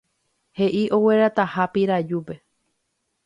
he'i oguerahataha Pirajúpe